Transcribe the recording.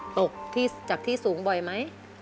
ตกจากที่สูงบ่อยไหม